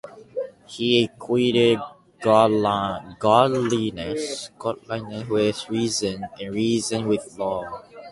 He equated godliness with reason, and reason with law.